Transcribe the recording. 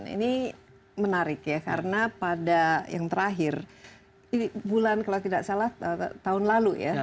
ini menarik ya karena pada yang terakhir bulan kalau tidak salah tahun lalu ya